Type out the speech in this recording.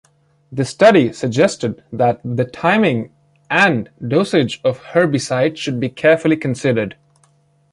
This study suggested that the timing and dosage of herbicide should be carefully considered.